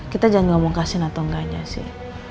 kita jangan ngomong kasin atau enggaknya sih